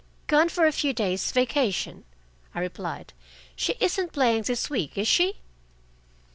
"Gone for a few days' vacation," I replied. "She isn't playing this week, is she?"